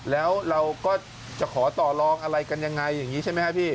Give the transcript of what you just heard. แล้วเราก็จะขอต่อลองอะไรกันยังไงอย่างนี้ใช่ไหมครับพี่